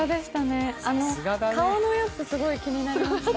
顔のやつ、すごい気になりました。